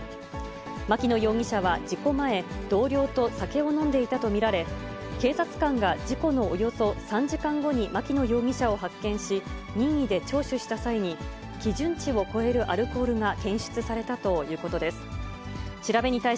牧野容疑者は事故前、同僚と酒を飲んでいたと見られ、警察官が事故のおよそ３時間後に牧野容疑者を発見し、任意で聴取した際に、基準値を超えるアルコールが検出されたということです。